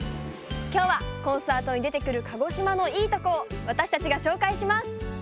きょうはコンサートにでてくる鹿児島のいいとこをわたしたちがしょうかいします！